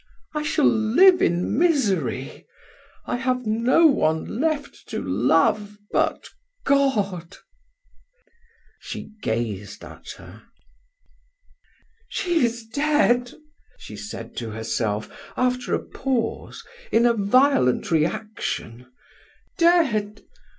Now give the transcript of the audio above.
I shall live in misery. I have no one left to love but God!" She gazed at her. "She is dead!" she said to herself, after a pause, in a violent reaction. "Dead!